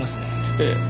ええ。